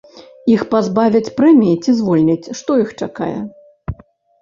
Іх пазбавяць прэміі ці звольняць, што іх чакае?